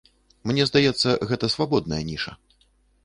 Мне здаецца, гэта свабодная ніша.